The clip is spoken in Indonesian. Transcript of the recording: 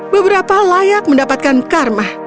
beberapa layak mendapatkan karma